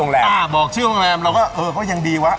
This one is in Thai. แล้วก็ยังดีไว้